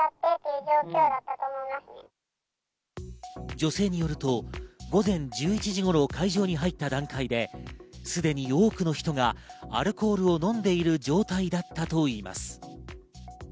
女性によると、午前１１時頃会場に入った段階ですでに多くの人がアルコールを飲んでいる状態だったといいます。